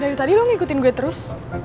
dari tadi lo ngikutin gue terus